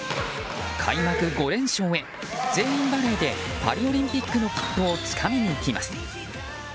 開幕５連勝へ、全員バレーでパリオリンピックの切符をつかみに行きます。